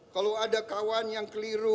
kalau ada kawan yang keliru